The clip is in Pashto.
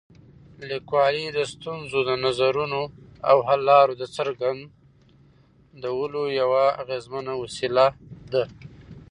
لیکوالی د ستونزو، نظرونو او حل لارو د څرګندولو یوه اغېزمنه وسیله ده.